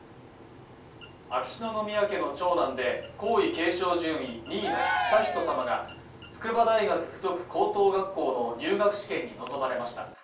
秋篠宮家の長男で皇位継承順位２位の悠仁さまが筑波大学附属高等学校の入学試験に臨まれました。